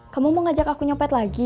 kamu mau ngajak aku nyopet lagi